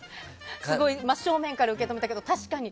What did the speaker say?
すごい真正面から受け止めたけど確かに。